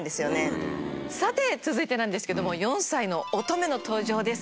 さて続いてなんですけども４歳の乙女の登場です。